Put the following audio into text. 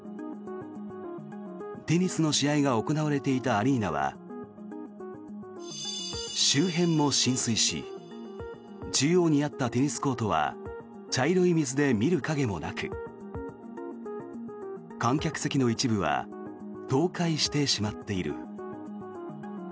テニスの試合が行われていたアリーナは周辺も浸水し中央にあったテニスコートは茶色い水で見る影もなく観客席の一部は倒壊してしまっている。